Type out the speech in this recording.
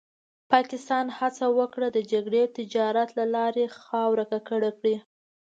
پاکستان هڅه وکړه د جګړې تجارت له لارې خاوره ککړه کړي.